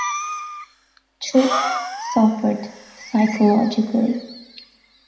Tripp suffered psychologically.